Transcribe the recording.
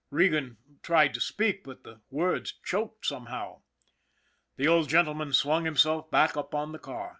Regan tried to speak, but the words choked some how. The old gentleman swung himself back upon the car.